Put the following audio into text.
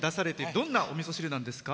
どんなおみそ汁なんですか？